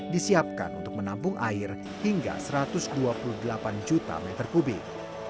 disiapkan untuk menampung air hingga satu ratus dua puluh delapan juta meter kubik